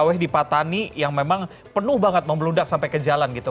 awe di patani yang memang penuh banget membeludak sampai ke jalan gitu